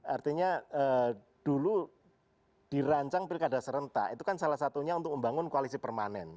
artinya dulu dirancang pilih kandas rentak itu kan salah satunya untuk membangun koalisi permanen